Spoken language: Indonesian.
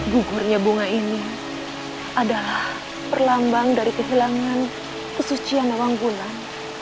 bugurnya bunga ini adalah perlambang dari kehilangan kesucian nawang bulan